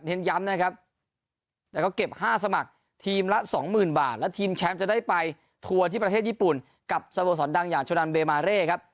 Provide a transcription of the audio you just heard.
ย้ำนะครับแล้วก็เก็บ๕สมัครทีมละสองหมื่นบาทและทีมแชมป์จะได้ไปทัวร์ที่ประเทศญี่ปุ่นกับสโมสรดังอย่างชนันเบมาเร่ครับ